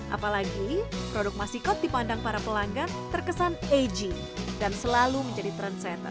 apalagi produk masikot dipandang para pelanggan terkesan aging dan selalu menjadi trendsetter